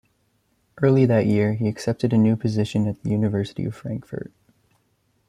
Early that year, he accepted a new position at the University of Frankfurt.